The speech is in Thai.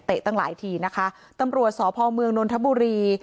ตั้งหลายทีนะคะตำรวจสพเมืองนนทบุรี